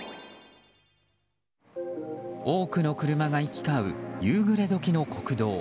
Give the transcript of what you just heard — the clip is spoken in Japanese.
多くの車が行き交う夕暮れ時の国道。